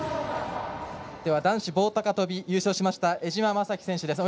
男子棒高跳び優勝しました江島雅紀選手です。